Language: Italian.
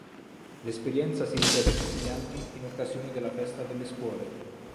L'esperienza si ripete tutti gli anni in occasione della festa delle scuole.